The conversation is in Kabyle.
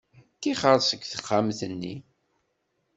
Ṭixer seg texxamt-nni.